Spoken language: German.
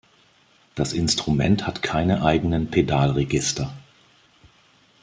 Das Instrument hat keine eigenen Pedalregister.